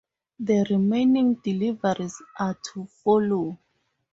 The remaining deliveries are to follow.